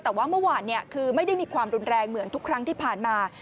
แต่ว่าเมื่อวานคือไม่ได้มีความรุนแรงเหมือนทุกครั้งที่ผ่านมา